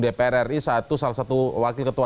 dpr ri saat itu salah satu wakil ketua